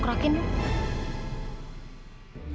di rumah sakit sekarang